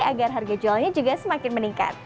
agar harga jualnya juga semakin meningkat